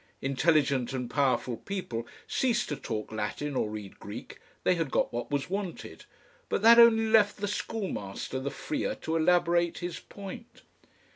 Intelligent and powerful people ceased to talk Latin or read Greek, they had got what was wanted, but that only left the schoolmaster the freer to elaborate his point.